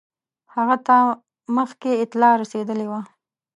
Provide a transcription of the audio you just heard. هغه ته مخکي اطلاع رسېدلې وه.